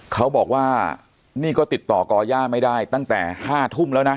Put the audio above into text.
เขาบอกว่านี่ก็ติดต่อก่อย่าไม่ได้ตั้งแต่๕ทุ่มแล้วนะ